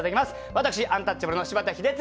私アンタッチャブルの柴田英嗣です。